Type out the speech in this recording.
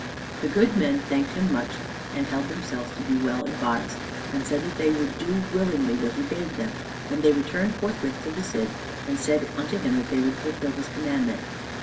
The good men thanked him much, and held themselves to be well advised, and said that they would do willingly what he bade them; and they returned forthwith to the Cid, and said unto him that they would fulfill his commandment.